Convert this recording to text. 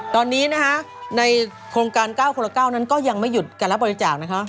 ตอนนี้นะคะในโครงการ๙คนละ๙นั้นก็ยังไม่หยุดการรับบริจาคนะคะ